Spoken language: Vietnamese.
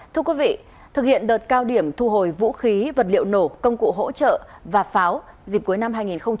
thưa quý vị thực hiện đợt cao điểm thu hồi vũ khí vật liệu nổ công cụ hỗ trợ và pháo dịp cuối năm hai nghìn hai mươi ba